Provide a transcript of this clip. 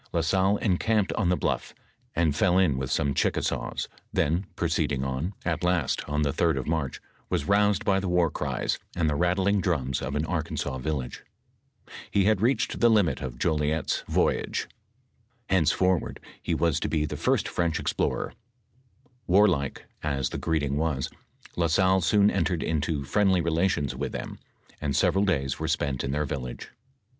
La Salle encamped on the bluff, and fell in with some Ohickasaws, then proceeding on, at last, on the Sd of March, was roused by the war cries, and the rattling drums of an Arkansas village. He had reached the limit of Jolliet's ^■Ji :i m '4 :'l XXXVIII HISTOBT OP THE DISOOVEBY ii ! 1^ :i voyage; henceforward, he was to be the first French ex plorer. Warlike as the greeting was, La Salle soon entered into friendly relations with them, and several days were spent in their village.